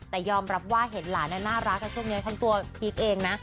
แต่ยอมรับว่าเห็นหลานน่ารักช่วงนี้ทั้งตัวพีคเองนะ